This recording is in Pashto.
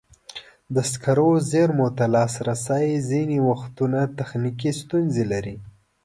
د سکرو زېرمو ته لاسرسی ځینې وختونه تخنیکي ستونزې لري.